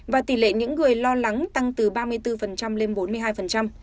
và tỷ lệ những người lo lắng tăng từ ba mươi bốn lên bốn mươi hai